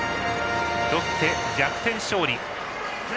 ロッテ、逆転勝利。